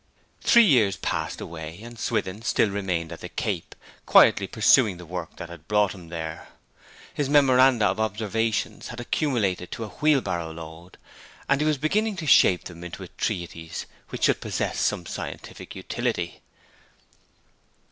XLI Three years passed away, and Swithin still remained at the Cape, quietly pursuing the work that had brought him there. His memoranda of observations had accumulated to a wheelbarrow load, and he was beginning to shape them into a treatise which should possess some scientific utility.